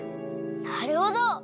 なるほど！